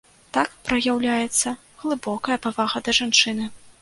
Так праяўляецца глыбокая павага да жанчыны.